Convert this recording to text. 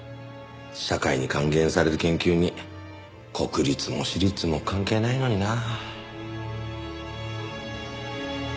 社会に還元される研究に国立も私立も関係ないのにな。